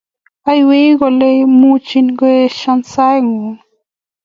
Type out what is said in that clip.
Aywei kole much koesho saenyu